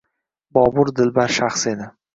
Bobur dilbar shaxs edi.